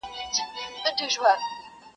پرې ویده تېرېږي بله پېړۍ ورو ورو!